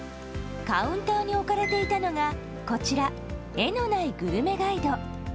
カウンターに置かれていたのは「画のないグルメガイド」。